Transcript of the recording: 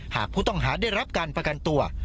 หากผู้ต้องหาได้รับการประกันตัว